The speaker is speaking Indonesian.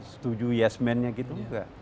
setuju yes man nya gitu enggak